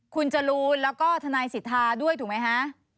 คุณจรูนแล้วก็ทนายสิทธาด้วยถูกไหมคะ